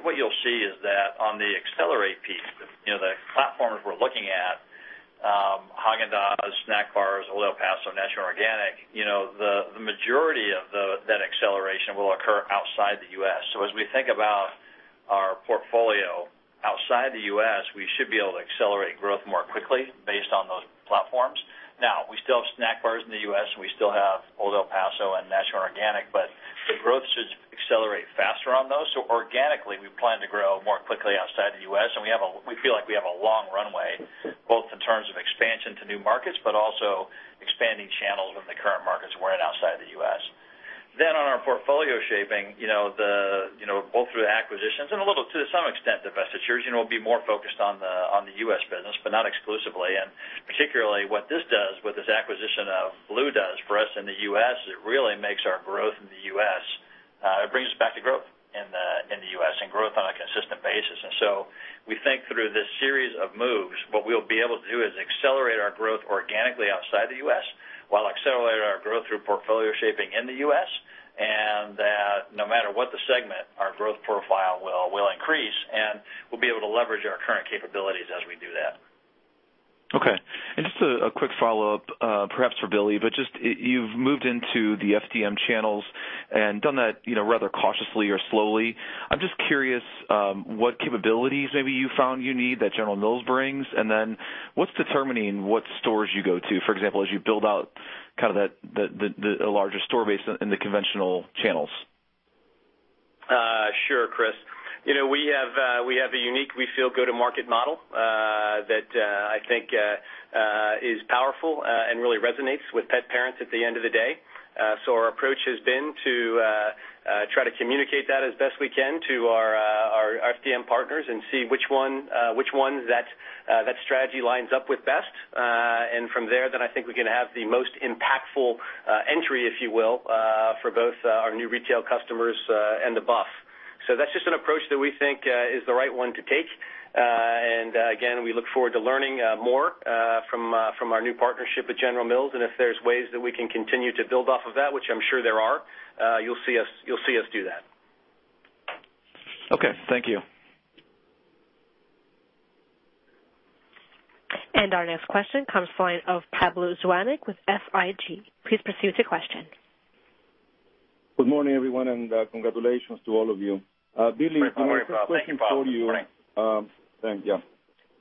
What you'll see is that on the accelerate piece, the platforms we're looking at, Häagen-Dazs, snack bars, Old El Paso, Natural & Organic, the majority of that acceleration will occur outside the U.S. As we think about our portfolio outside the U.S., we should be able to accelerate growth more quickly based on those platforms. Now, we still have snack bars in the U.S., and we still have Old El Paso and Natural & Organic, but the growth should accelerate faster on those. Organically, we plan to grow more quickly outside the U.S., and we feel like we have a long runway, both in terms of expansion to new markets, but also expanding channels in the current markets we're in outside the U.S. On our portfolio shaping, both through acquisitions and a little to some extent, divestitures, we'll be more focused on the U.S. business, but not exclusively. Particularly what this does, what this acquisition of Blue does for us in the U.S., is it really brings us back to growth in the U.S. and growth on a consistent basis. We think through this series of moves, what we'll be able to do is accelerate our growth organically outside the U.S. while accelerating our growth through portfolio shaping in the U.S., that no matter what the segment, our growth profile will increase, and we'll be able to leverage our current capabilities as we do that.
Okay. Just a quick follow-up, perhaps for Billy, but just you've moved into the FDM channels and done that rather cautiously or slowly. I'm just curious what capabilities maybe you found you need that General Mills brings, what's determining what stores you go to, for example, as you build out the larger store base in the conventional channels?
Sure, Chris. We have a unique, we feel, go-to-market model, that I think is powerful and really resonates with pet parents at the end of the day. Our approach has been to try to communicate that as best we can to our FDM partners and see which one that strategy lines up with best. From there, then I think we can have the most impactful entry, if you will, for both our new retail customers and the Buff. That's just an approach that we think is the right one to take. Again, we look forward to learning more from our new partnership with General Mills. If there's ways that we can continue to build off of that, which I'm sure there are, you'll see us do that.
Okay. Thank you.
Our next question comes from the line of Pablo Zuanic with SIG. Please proceed with your question.
Good morning, everyone, and congratulations to all of you. Billy.
Good morning, Pablo. Thank you, Pablo. Good morning
the first question for you. Thanks, yeah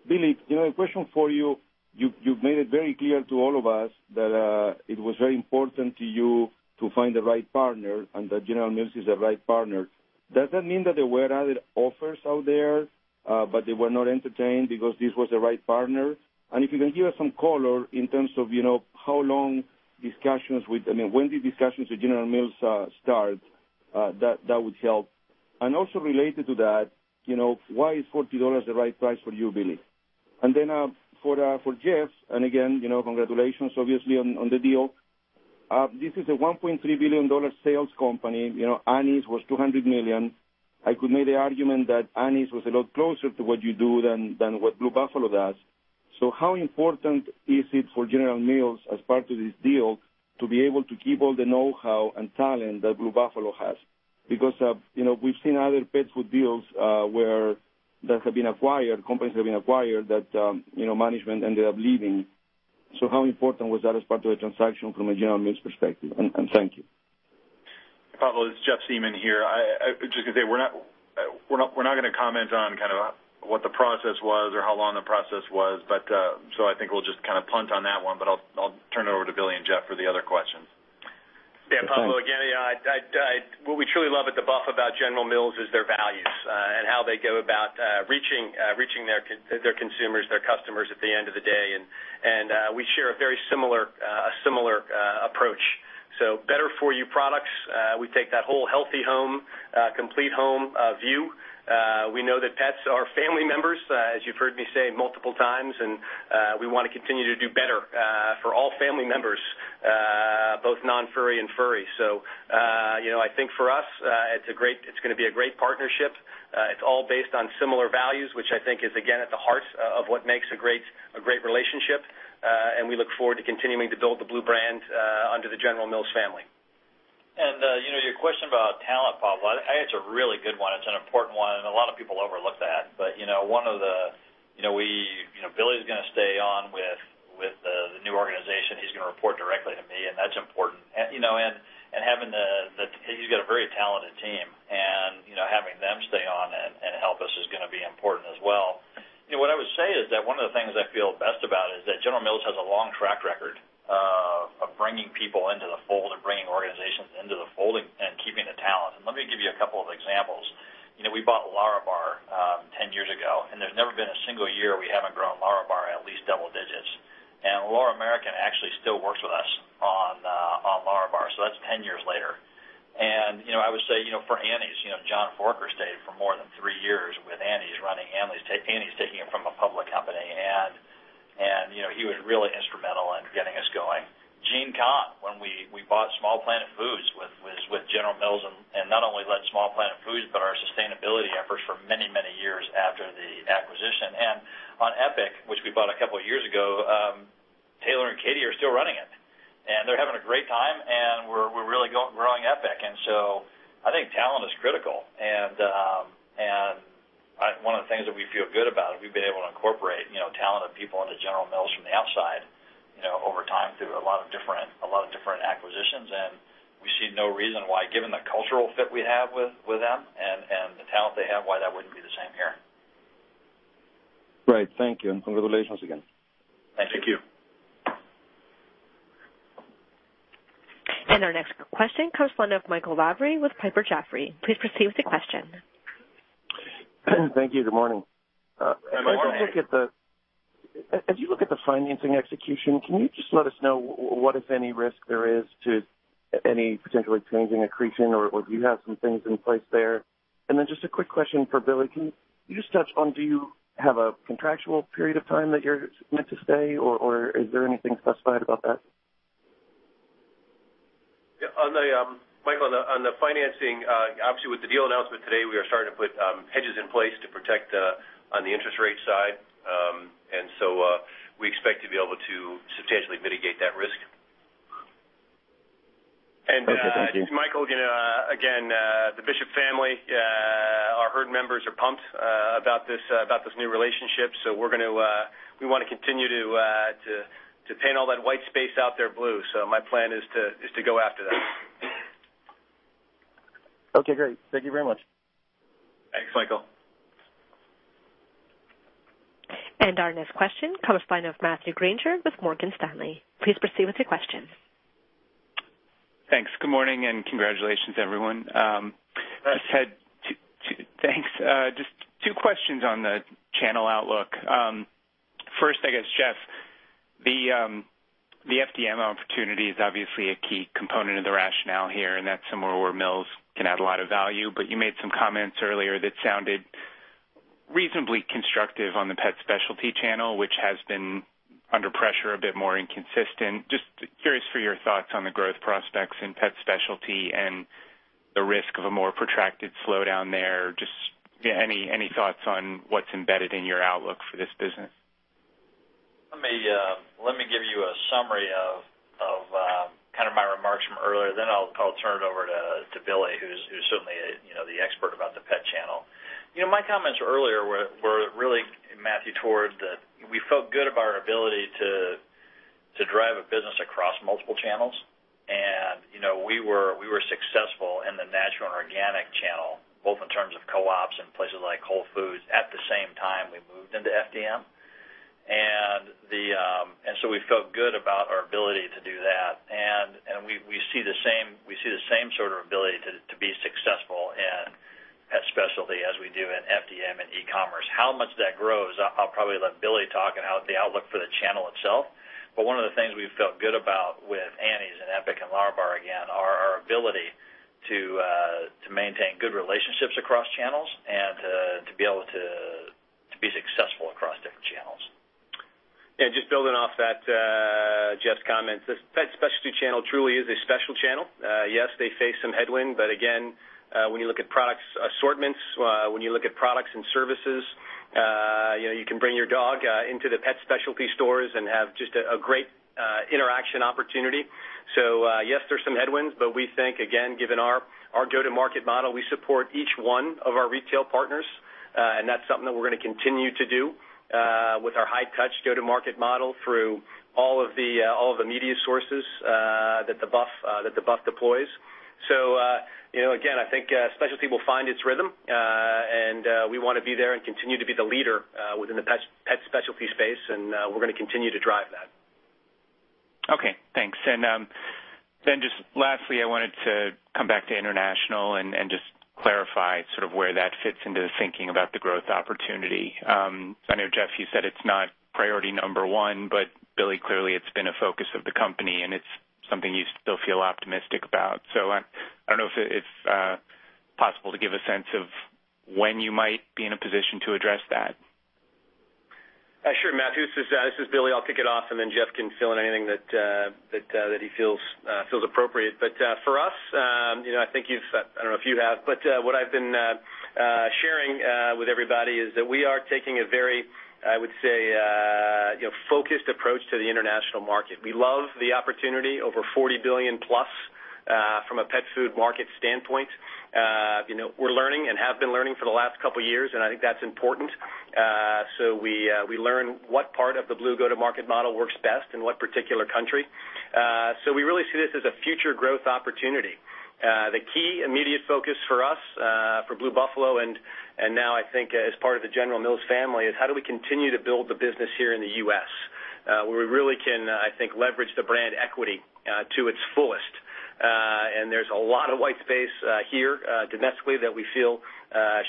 Billy, a question for you. You've made it very clear to all of us that it was very important to you to find the right partner and that General Mills is the right partner. Does that mean that there were other offers out there, but they were not entertained because this was the right partner? If you can give us some color in terms of when did discussions with General Mills start, that would help. Also related to that, why is $40 the right price for you, Billy? Then for Jeff, again, congratulations, obviously, on the deal. This is a $1.3 billion sales company. Annie's was $200 million. I could make the argument that Annie's was a lot closer to what you do than what Blue Buffalo does. How important is it for General Mills, as part of this deal, to be able to keep all the know-how and talent that Blue Buffalo has? Because we've seen other pet food deals that have been acquired, companies that have been acquired that management ended up leaving. How important was that as part of the transaction from a General Mills perspective? Thank you.
Pablo, it's Jeff Siemon here. I just going to say we're not going to comment on what the process was or how long the process was. I think we'll just punt on that one, but I'll turn it over to Billy and Jeff for the other questions.
Thanks. Yeah, Pablo, again, what we truly love at the Buff about General Mills is their values, and how they go about reaching their consumers, their customers at the end of the day. We share a very similar approach. Better-for-you products, we take that whole healthy home, complete home view. We know that pets are family members, as you've heard me say multiple times, and we want to continue to do better for all family members, both non-furry and furry. I think for us, it's going to be a great partnership. It's all based on similar values, which I think is, again, at the heart of what makes a great relationship. We look forward to continuing to build the Blue brand under the General Mills family.
Your question about talent, Pablo, I think it's a really good one. It's an important one, and a lot of people overlook that. Billy's gonna stay on with the new organization. He's going to report directly to me, and that's important. He's got a very talented team and, having them stay on and help us is going to be important as well. What I would say is that one of the things I feel best about is that General Mills has a long track record of bringing people into the fold or bringing organizations into the fold and keeping the talent. Let me give you a couple of examples. We bought LÄRABAR 10 years ago, and there's never been a single year we haven't grown LÄRABAR at least double digits. Lara Merriken actually still works with us on LÄRABAR, so that's 10 years later. I would say for Annie's, John Foraker stayed for more than three years with Annie's, running Annie's, taking it from a public company. He was really instrumental in getting us going. Gene Kahn, when we bought Small Planet Foods, was with General Mills and not only led Small Planet Foods, but our sustainability efforts for many, many years after the acquisition. On EPIC, which we bought a couple of years ago, Taylor and Katie are still running it. They're having a great time, and we're really growing EPIC. I think talent is critical, and one of the things that we feel good about is we've been able to incorporate talented people into General Mills from the outside over time through a lot of different acquisitions. We see no reason why, given the cultural fit we have with them and the talent they have, why that wouldn't be the same here.
Right. Thank you, and congratulations again.
Thank you.
Thank you.
Our next question comes from the line of Michael Lavery with Piper Jaffray. Please proceed with your question.
Thank you. Good morning.
Good morning.
As you look at the financing execution, can you just let us know what, if any, risk there is to any potential expanding accretion, or do you have some things in place there? Then just a quick question for Billy. Can you just touch on, do you have a contractual period of time that you're meant to stay, or is there anything specified about that?
Yeah, Michael, on the financing, obviously, with the deal announcement today, we are starting to put hedges in place to protect on the interest rate side. We expect to be able to substantially mitigate that risk.
Okay. Thank you.
Michael, again, the Bishop family, our herd members are pumped about this new relationship. We want to continue to paint all that white space out there blue. My plan is to go after that.
Okay, great. Thank you very much.
Thanks, Michael Lavery.
Our next question comes from the line of Matthew Grainger with Morgan Stanley. Please proceed with your question.
Thanks. Good morning and congratulations, everyone.
Thanks.
Thanks. Just two questions on the channel outlook. First, I guess, Jeff, the FDM opportunity is obviously a key component of the rationale here, and that's somewhere where Mills can add a lot of value, but you made some comments earlier that sounded reasonably constructive on the pet specialty channel, which has been under pressure, a bit more inconsistent. Just curious for your thoughts on the growth prospects in pet specialty and the risk of a more protracted slowdown there. Just any thoughts on what's embedded in your outlook for this business?
Let me give you a summary of my remarks from earlier, then I'll turn it over to Billy, who's certainly the expert about the pet channel. My comments earlier were really, Matthew, towards that we felt good of our ability to drive a business across multiple channels. We were successful in the natural and organic channel, both in terms of co-ops and places like Whole Foods. At the same time we moved into FDM. We felt good about our ability to do that. We see the same sort of ability to be successful in pet specialty as we do in FDM and e-commerce. How much that grows, I'll probably let Billy talk on the outlook for the channel itself. One of the things we've felt good about with Annie's and EPIC and LÄRABAR, again, are our ability to maintain good relationships across channels and to be able to be successful across different channels.
Yeah, just building off that, Jeff's comments. The pet specialty channel truly is a special channel. Yes, they face some headwind. Again, when you look at products assortments, when you look at products and services, you can bring your dog into the pet specialty stores and have just a great interaction opportunity. Yes, there's some headwinds. We think, again, given our go-to-market model, we support each one of our retail partners, and that's something that we're going to continue to do with our high touch go-to-market model through all of the media sources that the Buff deploys. Again, I think specialty will find its rhythm. We want to be there and continue to be the leader within the pet specialty space, and we're going to continue to drive that.
Okay, thanks. Just lastly, I wanted to come back to international and just clarify sort of where that fits into the thinking about the growth opportunity. I know, Jeff, you said it's not priority number one. Billy, clearly, it's been a focus of the company, and it's something you still feel optimistic about. I don't know if it's possible to give a sense of when you might be in a position to address that.
Sure, Matthew, this is Billy. I'll kick it off, and then Jeff can fill in anything that he feels appropriate. For us, I don't know if you have, but what I've been sharing with everybody is that we are taking a very, I would say, focused approach to the international market. We love the opportunity, over $40 billion-plus from a pet food market standpoint. We're learning and have been learning for the last couple of years, and I think that's important. We learn what part of the Blue go-to-market model works best in what particular country. We really see this as a future growth opportunity. The key immediate focus for us, for Blue Buffalo, and now I think as part of the General Mills family, is how do we continue to build the business here in the U.S. where we really can, I think, leverage the brand equity to its fullest. There's a lot of white space here domestically that we feel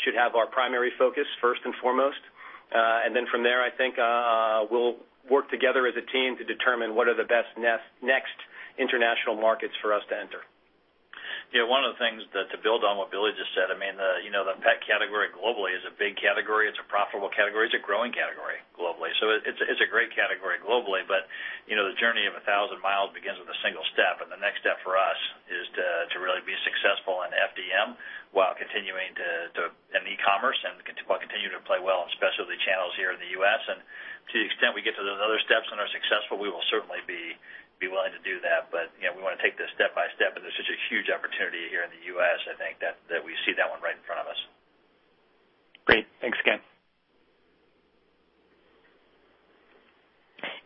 should have our primary focus first and foremost. Then from there, I think we'll work together as a team to determine what are the best next international markets for us to enter.
Yeah, one of the things that to build on what Billy just said, the pet category globally is a big category. It's a profitable category. It's a growing category globally. It's a great category globally, but the journey of 1,000 miles begins with a single step, and the next step for us is to really be successful in FDM while continuing in e-commerce and while continuing to play well in specialty channels here in the U.S. To the extent we get to those other steps and are successful, we will certainly be willing to do that. We want to take this step by step, and there's such a huge opportunity here in the U.S., I think that we see that one right in front of us.
Great. Thanks again.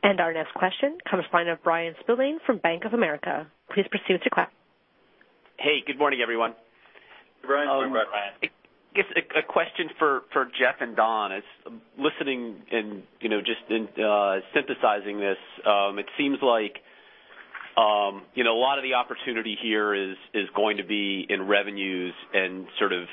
Our next question comes from the line of Bryan Spillane from Bank of America. Please proceed with your.
Hey, good morning, everyone.
Good morning.
Good morning, Bryan.
I guess a question for Jeff and Don. Listening and just synthesizing this, it seems like a lot of the opportunity here is going to be in revenues and sort of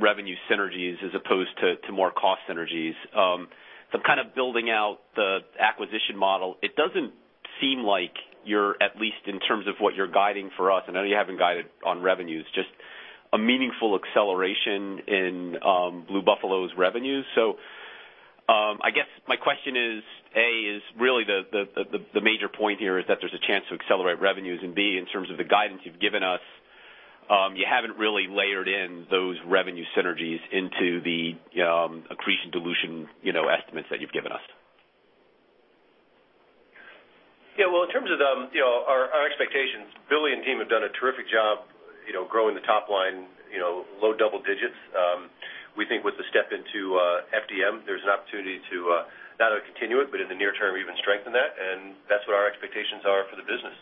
revenue synergies as opposed to more cost synergies. I'm kind of building out the acquisition model. It doesn't seem like you're, at least in terms of what you're guiding for us, I know you haven't guided on revenues, just a meaningful acceleration in Blue Buffalo's revenues. I guess my question is, A, is really the major point here is that there's a chance to accelerate revenues, and B, in terms of the guidance you've given us, you haven't really layered in those revenue synergies into the accretion dilution estimates that you've given us.
Yeah. Well, in terms of our expectations, Billy and team have done a terrific job growing the top line low double digits. We think with the step into FDM, there's an opportunity to not only continue it, but in the near term, even strengthen that, and that's what our expectations are for the business.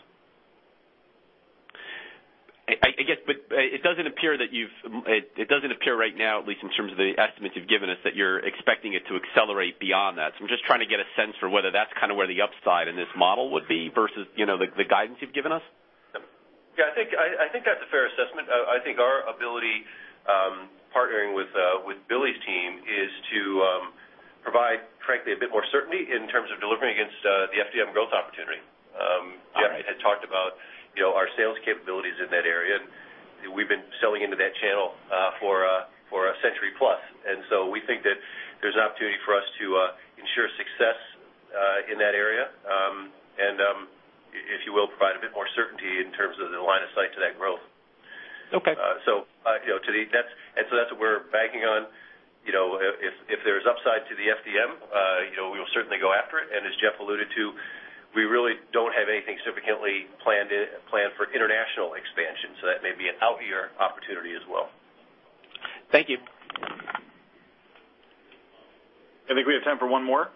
I guess, it doesn't appear right now, at least in terms of the estimates you've given us, that you're expecting it to accelerate beyond that. I'm just trying to get a sense for whether that's kind of where the upside in this model would be versus the guidance you've given us.
Yeah, I think that's a fair assessment. I think our ability partnering with Billy's team is to provide, frankly, a bit more certainty in terms of delivering against the FDM growth opportunity. Jeff had talked about our sales capabilities in that area, and we've been selling into that channel for a century plus. We think that there's an opportunity for us to ensure success in that area, and, if you will, provide a bit more certainty in terms of the line of sight to that growth.
Okay.
That's what we're banking on. If there's upside to the FDM, we will certainly go after it. As Jeff alluded to, we really don't have anything significantly planned for international expansion, so that may be an out-year opportunity as well.
Thank you.
I think we have time for one more.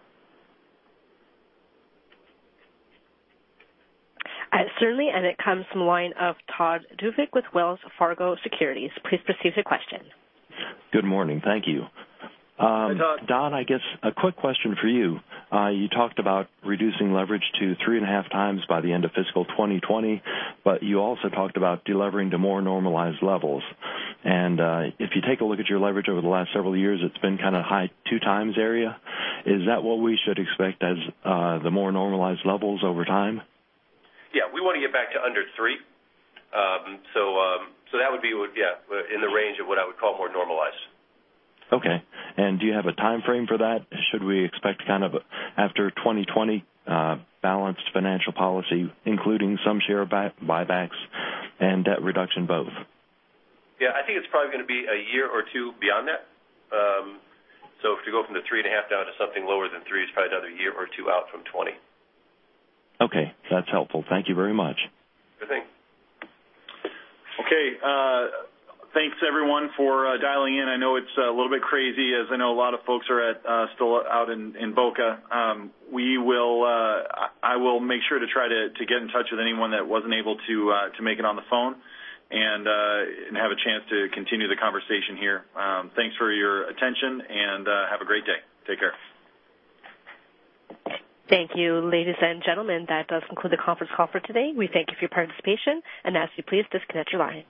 Certainly, it comes from the line of Todd Duvick with Wells Fargo Securities. Please proceed with your question.
Good morning. Thank you.
Hey, Todd.
Don, I guess a quick question for you. You talked about reducing leverage to three and a half times by the end of fiscal 2020, but you also talked about delevering to more normalized levels. If you take a look at your leverage over the last several years, it has been kind of high two times area. Is that what we should expect as the more normalized levels over time?
Yeah, we want to get back to under three. That would be in the range of what I would call more normalized.
Okay. Do you have a timeframe for that? Should we expect kind of after 2020 balanced financial policy, including some share buybacks and debt reduction both?
Yeah, I think it's probably going to be a year or two beyond that. If you go from the three and a half down to something lower than three, it's probably another year or two out from 2020.
Okay, that's helpful. Thank you very much.
Good thing. Okay, thanks everyone for dialing in. I know it's a little bit crazy as I know a lot of folks are still out in Boca. I will make sure to try to get in touch with anyone that wasn't able to make it on the phone and have a chance to continue the conversation here. Thanks for your attention, and have a great day. Take care.
Thank you, ladies and gentlemen. That does conclude the conference call for today. We thank you for your participation and ask you please disconnect your line.